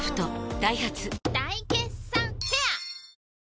ダイハツ大決算フェア